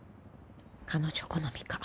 彼女好みが。